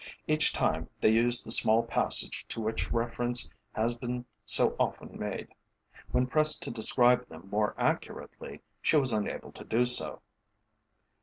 Each time they used the small passage to which reference has been so often made. When pressed to describe them more accurately, she was unable to do so.